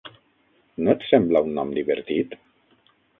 No et sembla un nom divertit?